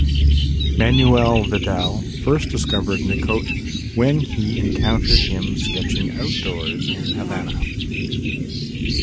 Manuel Vidal first discovered Nicot when he encountered him sketching outdoors in Havana.